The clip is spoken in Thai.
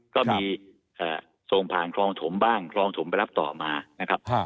ก็มีส่งผ่านคลองถมบ้างคลองถมไปรับต่อมานะครับ